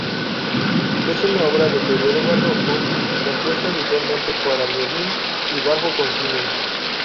Es una obra del período Barroco, compuesta habitualmente para violín y bajo continuo.